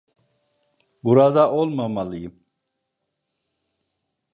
Burada olmamalıyım.